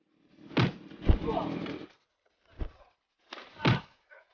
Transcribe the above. lo sudah bisa berhenti